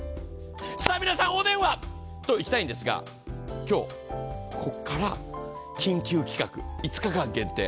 さあ、皆さん、お電話！といきたいんですが、今日、ここから緊急期間５日間限定。